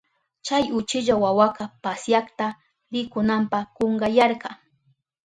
Chay uchilla wawaka pasyakta rikunanpa kunkayarka.